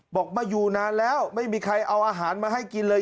บอกมาอยู่นานแล้วไม่มีใครเอาอาหารมาให้กินเลย